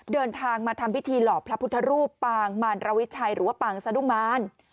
เดินทางมาทำพิธีหลอกพระพุทธรูปปางมารวิชัยหรือว่าปางสะดุมาร